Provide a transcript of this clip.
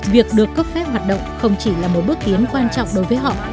việc được cấp phép hoạt động không chỉ là một bước tiến quan trọng đối với họ